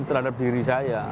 terhadap diri saja